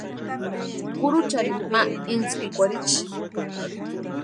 Kurucharini ma intsïpikwarhichi.